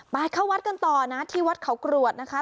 เข้าวัดกันต่อนะที่วัดเขากรวดนะคะ